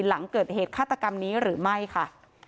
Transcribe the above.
หลังเกิดเหตุฆาตกรรมนี้หรือไม่ค่ะ